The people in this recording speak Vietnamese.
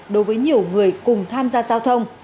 đối với nhiều người cùng tham gia giao thông